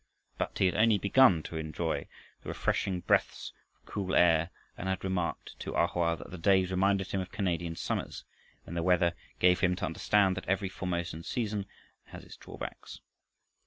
But he had only begun to enjoy the refreshing breaths of cool air, and had remarked to A Hoa that the days reminded him of Canadian summers, when the weather gave him to understand that every Formosan season has its drawbacks.